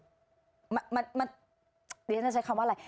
เดี๋ยวฉันจะใช้คำว่าอะไร